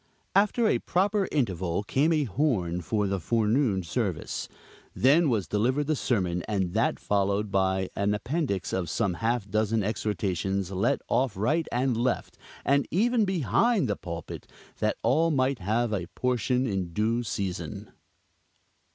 After a proper interval came a horn for the forenoon service; then was delivered the sermon, and that followed by an appendix of some half dozen exhortations let off right and left, and even behind the pulpit, that all might have a portion in due season.